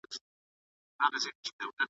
تېر له هري ورځي جنګ اوعداوت سو `